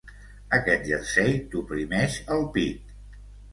Aquest jersei t'oprimeix el pit.